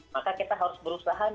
maka kita harus berusaha